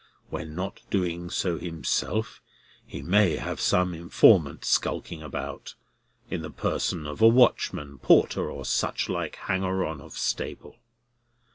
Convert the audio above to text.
When not doing so himself, he may have some informant skulking about, in the person of a watchman, porter, or such like hanger on of Staple.